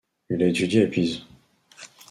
Il a étudié à Pise.